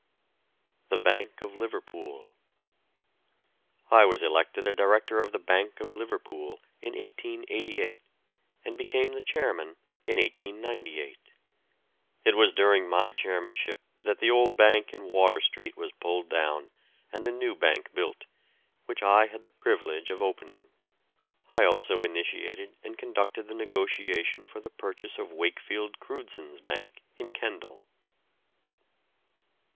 THE BANK OF LIVERPOOL. I was elected a director of the Bank of Liverpool in 1888, and became the chairman in 1898. It was during my chairmanship that the old bank in Water Street was pulled down and the new bank built, which I had the privilege of opening. I also initiated and conducted the negotiation for the purchase of Wakefield Crewdsons Bank in Kendal.